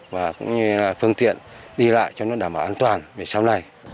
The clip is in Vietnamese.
và cũng như là phương tiện đi lại cho nó đảm bảo an toàn về sau này